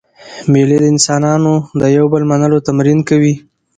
مېلې د انسانانو د یو بل منلو تمرین کوي.